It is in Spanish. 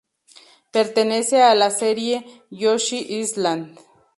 Pertenece a la serie Yoshi's Island.